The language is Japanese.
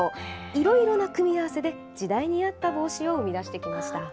いろいろな組み合わせで、時代に合った帽子を生み出してきました。